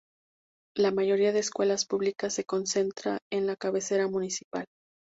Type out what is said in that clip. La mayoría de escuelas públicas se concentra en la cabecera municipal.